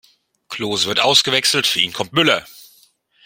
Klose wird ausgewechselt, für ihn kommt Müller.